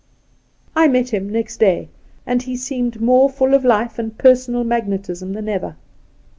' I met him next day, and he seemed more full of life and personal magnetism than ever.